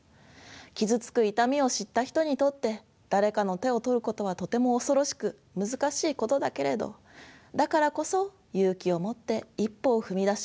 傷つく痛みを知った人にとって誰かの手を取ることはとても恐ろしく難しいことだけれどだからこそ勇気を持って一歩を踏み出しましょう。